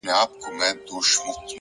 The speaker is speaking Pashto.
هره ورځ د غوره کېدو نوی انتخاب دی!